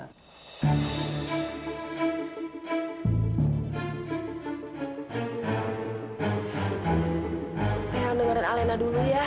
pengen dengerin alena dulu ya